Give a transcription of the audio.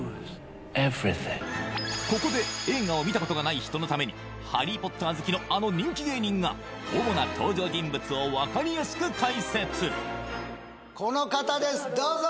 ここで映画を見たことがない人のために「ハリー・ポッター」好きのあの人気芸人が主な登場人物を分かりやすく解説この方ですどうぞ！